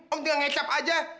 om tinggal ngecap aja